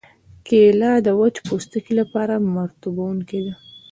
کېله د وچ پوستکي لپاره مرطوبوونکې ده.